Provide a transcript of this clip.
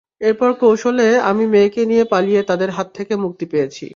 এরপর কৌশলে আমি মেয়েকে নিয়ে পালিয়ে তাদের হাত থেকে মুক্তি পেয়েছি।